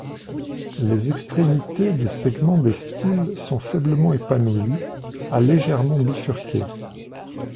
Les extrémités des segments des styles sont faiblement épanouies à légèrement bifurquées.